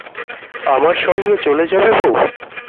আমার সঙ্গে চলে যাবে বৌ?